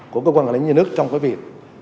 của cơ quan quản lý nước trong cái việc